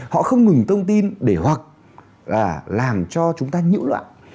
họ không ngừng tung tin để hoặc là làm cho chúng ta nhũn loạn